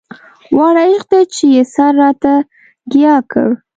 واړه عشق دی چې يې سر راته ګياه کړ